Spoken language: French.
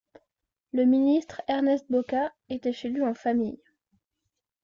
Le Ministre Ernest Boka était chez lui en famille.